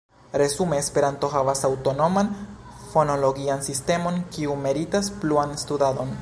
Resume, Esperanto havas aŭtonoman fonologian sistemon, kiu meritas pluan studadon.